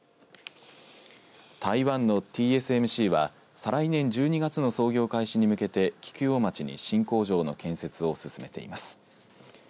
台湾のＴＳＭＣは再来年１２月の操業開始に向けて菊陽町に新工場の建設を進めています。